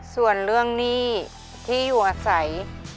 ส่วนเรื่องหนี้ที่อยู่อาศัย